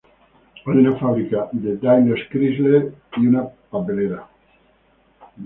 Hay una fábrica de DaimlerChrysler y una papelera.